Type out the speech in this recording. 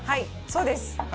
そうです！